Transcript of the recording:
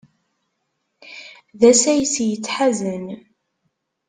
D asayes yettḥazen.